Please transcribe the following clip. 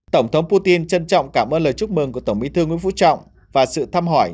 tổng thống putin trân trọng cảm ơn lời chúc mừng của tổng bí thư nguyễn phú trọng và sự thăm hỏi